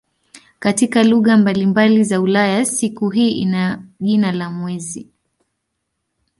Katika lugha mbalimbali za Ulaya siku hii ina jina la "mwezi".